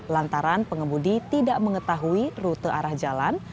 lantaran pengemudi tidak mengetahui rute arah jalan